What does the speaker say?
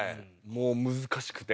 もう難しくて。